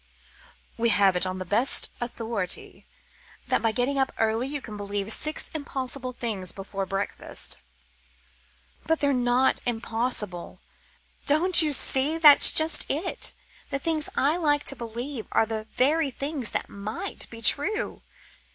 "We have it on the best authority that by getting up early you can believe six impossible things before breakfast." "But they're not impossible. Don't you see that's just it? The things I like to believe are the very things that might be true.